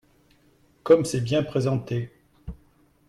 Comme c’est bien présenté